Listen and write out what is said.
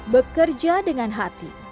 bekerja dengan hati